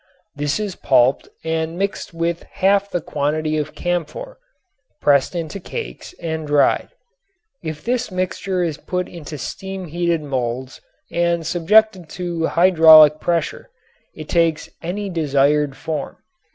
This is pulped and mixed with half the quantity of camphor, pressed into cakes and dried. If this mixture is put into steam heated molds and subjected to hydraulic pressure it takes any desired form.